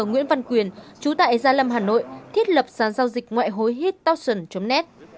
nguyễn văn quyền chú tại gia lâm hà nội thiết lập sản giao dịch ngoại hối hittoxin net